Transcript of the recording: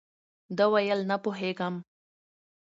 ده ویل، نه پوهېږم.